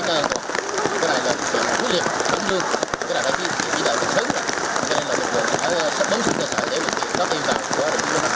lực lượng chức năng phải đi sâu vào trong các ngõ hẻm thổi coi tiếng nhiều để người dân quay trở lại nhà và tức trực tại khu vực ngập lụt